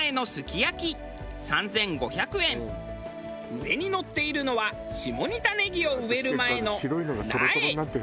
上にのっているのは下仁田ねぎを植える前の苗。